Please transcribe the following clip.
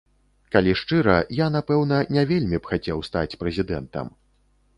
Калі шчыра, я, напэўна, не вельмі б хацеў стаць прэзідэнтам.